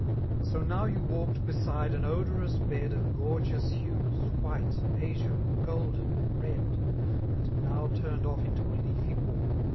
So now you walked beside an odorous bed Of gorgeous hues, white, ftzure, golden, red; And now turned o£f into a leaiy walk.